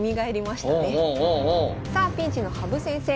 さあピンチの羽生先生